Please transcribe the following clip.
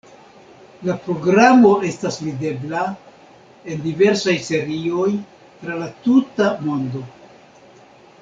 La programo estas videbla, en diversaj serioj, tra la tuta mondo.